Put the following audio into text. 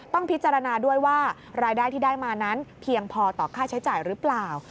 ต้องพิจารณาด้วยว่ารายได้ที่ได้มานั้นเพียงพอต่อค่าใช้จ่ายหรือเปล่า